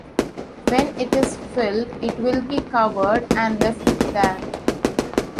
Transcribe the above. When it is filled it will be covered and left there.